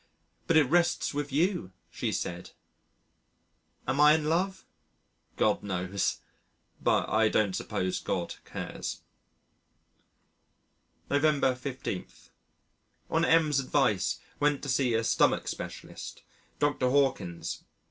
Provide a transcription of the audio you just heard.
but it rests with you," she said. Am I in love? God knows but I don't suppose God cares. November 15. On M 's advice went to see a stomach specialist Dr. Hawkins.